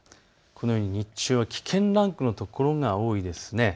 日中は危険ランクの所が多いですね。